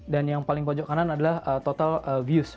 dan yang paling pojok kanan adalah total views